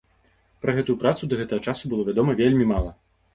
Пра гэтую працу да гэтага часу было вядома вельмі мала.